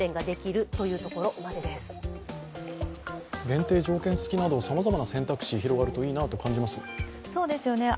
限定条件付きなど、さまざまな選択肢が広がるといいなと思います。